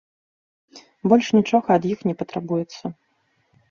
Больш нічога ад іх не патрабуецца.